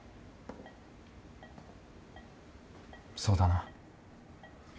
そうだな。